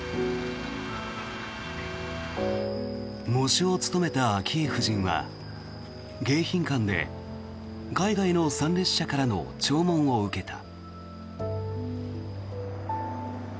喪主を務めた昭恵夫人は迎賓館で海外の参列者からの弔問を受けた。